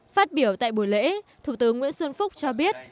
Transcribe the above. phát biểu tại buổi lễ thủ tướng nguyễn xuân phúc cho biết